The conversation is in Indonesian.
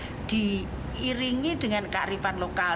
apapun harus diiringi dengan kearifan lokal